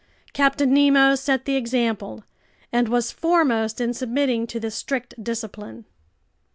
Captain Nemo set the example and was foremost in submitting to this strict discipline.